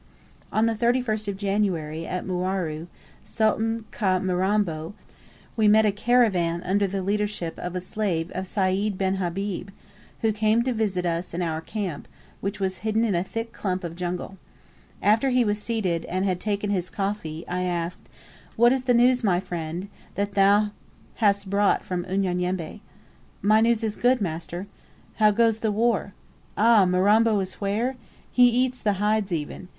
On the 31st of January, at Mwaru, Sultan Ka mirambo, we met a caravan under the leadership of a slave of Sayd bin Habib, who came to visit us in our camp, which was hidden in a thick clump of jungle. After he was seated, and had taken his coffee, I asked, "What is thy news, my friend, that thou bast brought from Unyanyembe?" "My news is good, master." "How goes the war?" "Ah, Mirambo is where? He eats the hides even.